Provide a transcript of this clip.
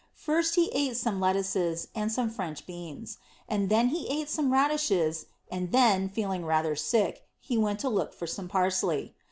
First he ate some lettuces and some French beans; and then he ate some radishes; and then, feeling rather sick, he went to look for some parsley.